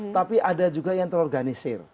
tapi ada juga yang terorganisir